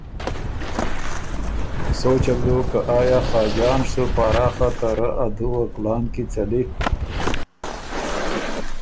سوچه بو دوک که آیا خاجان سُو پاراخه ته رۀ ا دُوه کلان کی څَلی۔